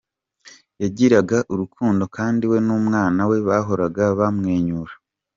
Yagiraga urukundo kandi we n’umwana we bahoraga bamwenyura.